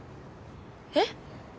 えっ？